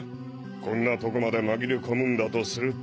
こんなとこまで紛れ込むんだとすると。